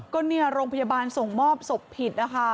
ก็โรงพยาบาลส่งมอบศพผิด